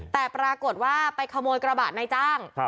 แต่ปรากฏว่าไปขโมยกระบะในจ้าง